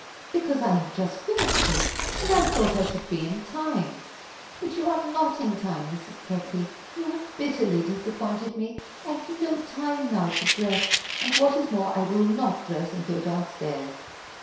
"Because I have just finished it, and I thought I should be in time." "But you are not in time, Mrs. Keckley; you have bitterly disappointed me. I have no time now to dress, and, what is more, I will not dress, and go down stairs."